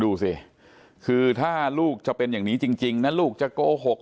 ดูสิคือถ้าลูกจะเป็นอย่างนี้จริงนะลูกจะโกหก